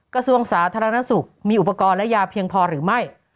กระทรวงสาธารณสุขมีอุปกรณ์และยาเพียงพอหรือไม่